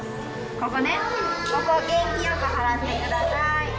ここねここ元気よく払ってください